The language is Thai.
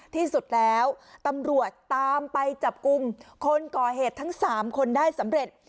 ที่สุดแล้วตำรวจตามไปจับกลุ่มคนก่อเหตุทั้ง๓คนได้สำเร็จ